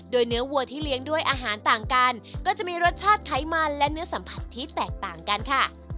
โดยเนื้อวัวที่เลี้ยงด้วยอาหารต่างกันก็จะมีรสชาติไขมันและเนื้อสัมผัสที่แตกต่างกันค่ะ